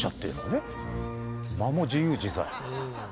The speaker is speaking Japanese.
間も自由自在。